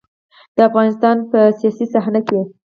د افغانستان په سياسي صحنه کې.